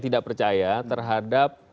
tidak percaya terhadap